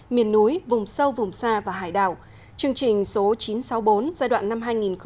miền núi vùng sâu vùng xa và hải đảo chương trình số chín trăm sáu mươi bốn giai đoạn năm hai nghìn một mươi hai nghìn hai mươi